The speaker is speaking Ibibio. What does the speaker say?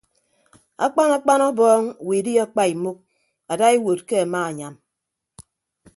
Akpan akpan ọbọọñ widdie apaimuk adaiwuod ke amaanyam.